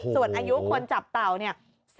ส่วนอายุคนจับเต่าเนี่ย